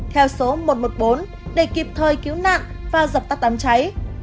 theo số một trăm một mươi bốn để kịp thời cứu nạn và dập tắt đám cháy